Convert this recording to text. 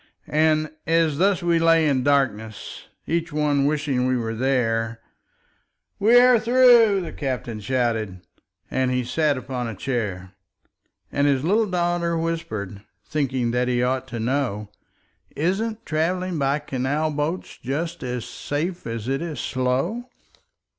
And as thus we lay in darkness, Each one wishing we were there, "We are through!" the captain shouted, And he sat upon a chair. And his little daughter whispered, Thinking that he ought to know, "Isn't travelling by canal boats Just as safe as it is slow?"